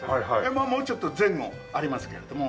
まあもうちょっと前後ありますけれども。